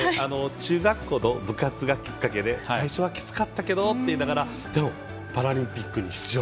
中学校の部活がきっかけで最初はきつかったと言いながらでもパラリンピックに出場。